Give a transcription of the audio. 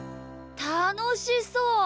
たのしそう。